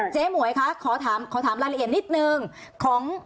หมวยคะขอถามรายละเอียดนิดนึงของ